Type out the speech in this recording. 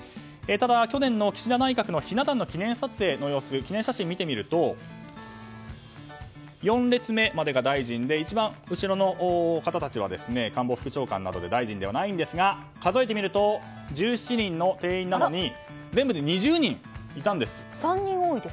ただ去年の岸田内閣のひな壇の記念撮影の様子記念写真を見てみると４列目までが大臣で一番後ろの方たちは官房副長官などで大臣ではないんですが数えてみると１７人の定員なのに全部で２０人いたんです。